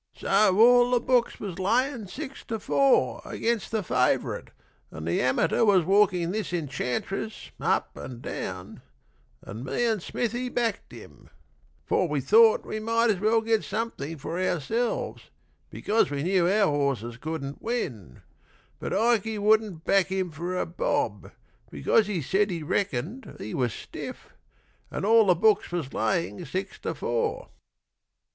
So all the books was layin' six to four Against the favourite, and the amateur Was walking this Enchantress up and down, And me and Smithy backed him; for we thought We might as well get something for ourselves, Because we knew our horses couldn't win. But Ikey wouldn't back him for a bob; Because he said he reckoned he was stiff, And all the books was layin' six to four.